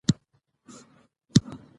ژبه د اړیکو روح ده.